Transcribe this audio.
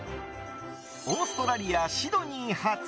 オーストラリア・シドニー発。